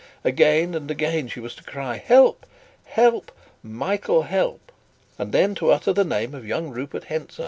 Again and again she was to cry: "Help, help! Michael, help!" and then to utter the name of young Rupert Hentzau.